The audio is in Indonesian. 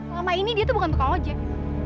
lama ini dia tuh bukan tukang ojek